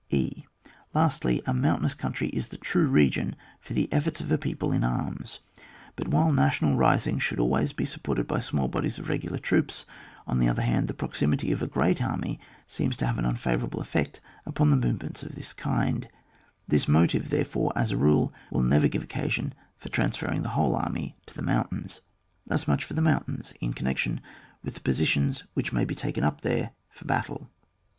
e. Lastly, a mountainous country is the true region for the efforts of a people in arms. But while national risings should always be supported by small bodies of regular troops, on the other hand, the proximity of a great army seems to have an unfavourable effect upon movements of this kind ; this motive, therefore, as a rule, will never give occasion for trans ferring the whole army to the mountains. Thus much for mountains in connection with the positions which may be taken up there for battla 2.